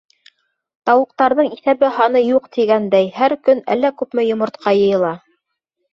Тауыҡтарының иҫәбе-һаны юҡ тигәндәй: һәр көн әллә күпме йомортҡа йыйыла.